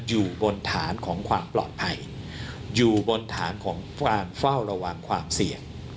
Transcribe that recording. อยู่บนฐานของความปลอดภัยอยู่บนฐานของการเฝ้าระวังความเสี่ยง